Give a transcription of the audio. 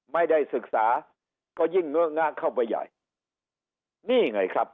ไม่ได้ศึกษาก็ยิ่งเงอะงะเข้าไปใหญ่นี่ไงครับ